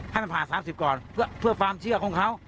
ให้มันผ่าน๓๐ก่อนเพื่อความเชื่อของเขา